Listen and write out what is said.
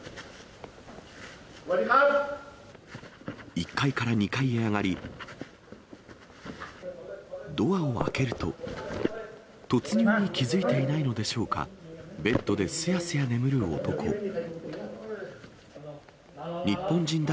１階から２階へ上がり、ドアを開けると、突入に気付いていないのでしょうか、ベッドですやすや眠る男。